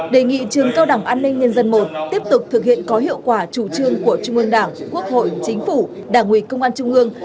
đề nghị trường cao đẳng an ninh nhân dân i tiếp tục thực hiện có hiệu quả chủ trương của trung ương đảng quốc hội chính phủ đảng ủy công an trung ương